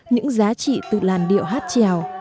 những giá trị tự làn điệu hát trèo